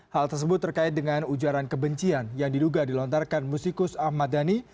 hal tersebut terkait dengan ujaran kebencian yang diduga dilontarkan musikus ahmad dhani